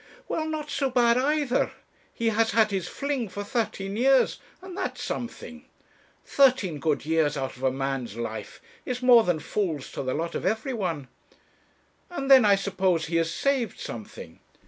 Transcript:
'Well, not so bad either; he has had his fling for thirteen years, and that's something. Thirteen good years out of a man's life is more than falls to the lot of every one. And then, I suppose, he has saved something.'